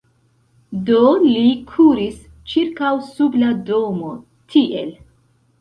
Do li kuris ĉirkaŭ sub la domo tiel: